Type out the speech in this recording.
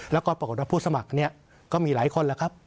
แล้วก็ปรากฏว่าผู้สมัครเนี่ยก็มีหลายคนแล้วครับ